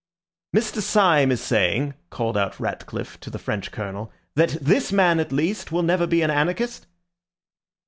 "Mr. Syme is saying," called out Ratcliffe to the French Colonel, "that this man, at least, will never be an anarchist."